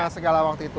segala waktu itu